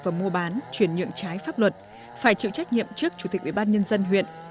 và mua bán chuyển nhượng trái pháp luật phải chịu trách nhiệm trước chủ tịch ubnd huyện